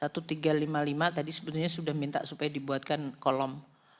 satu tiga ratus lima puluh lima tadi sebetulnya sudah minta supaya dibuatkan kolom